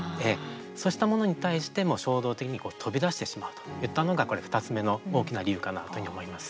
そうしたものに対しても衝動的に飛び出してしまうのが２つ目の大きな理由かなというふうに思います。